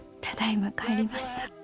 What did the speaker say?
ただいま帰りました。